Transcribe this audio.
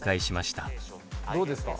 どうですか？